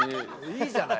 いいじゃない。